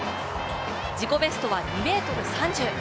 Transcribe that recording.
自己ベストは２ｍ３０。